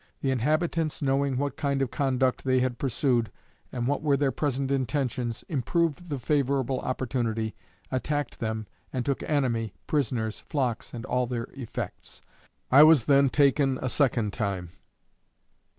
The inhabitants knowing what kind of conduct they had pursued, and what were their present intentions, improved the favorable opportunity, attacked them, and took enemy, prisoners, flocks and all their effects. I was then taken a second time.